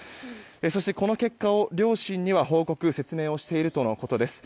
そして、この結果を両親には報告・説明しているとのことです。